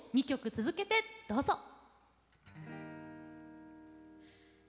２曲続けてどうぞ。